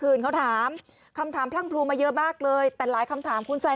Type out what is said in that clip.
คืนเขาถามคำถามพรั่งพลูมาเยอะมากเลยแต่หลายคำถามคุณใส่